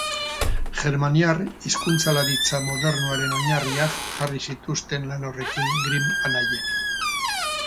Germaniar hizkuntzalaritza modernoaren oinarriak jarri zituzten lan horrekin Grimm anaiek.